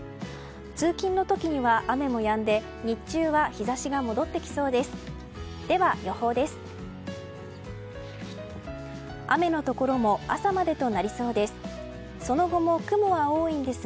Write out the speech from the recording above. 通勤の時には雨もやんで日中は日差しが戻ってきそうです。